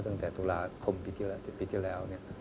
ตั้งแต่ตุลาคมปีที่แล้ว